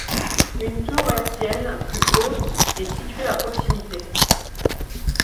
Une tour hertzienne plus haute est située à proximité.